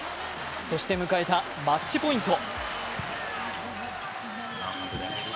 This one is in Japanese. そして迎えたマッチポイント。